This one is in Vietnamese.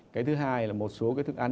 cái thứ hai là một số cái thức ăn